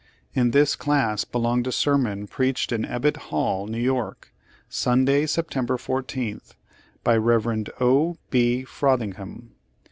In this class belonged a sermon preached in Ebitt Hall, New York, Sunday, Sep tember 14th, by Rev. 0. B. Frothingham.